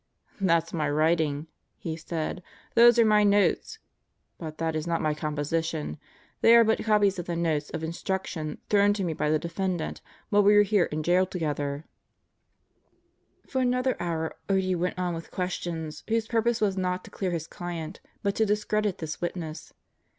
"That's my writing," he said. "Those are my notes. But ... that is not my composition. They are but copies of the notes of instruction thrown to me by the defendant while we were in jail together." Sentenced to Birth 43 For another hour Otte went on with questions whose purpose was not to clear his client, but to discredit this witness.